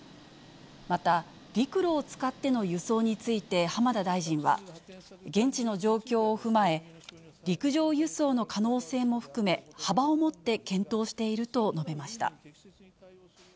また、陸路を使っての輸送について、浜田大臣は、現地の状況を踏まえ、陸上輸送の可能性も含め、幅を持って検討していると述べました。